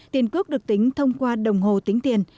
tiền cước được tính thông qua đồng hồ tính tiền